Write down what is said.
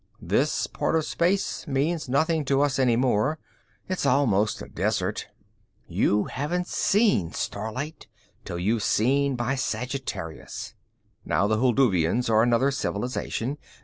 This part of space means nothing to us any more; it's almost a desert. You haven't seen starlight till you've been by Sagittarius. Now the Hulduvians are another civilization.